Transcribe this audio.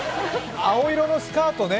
青色のスカートね。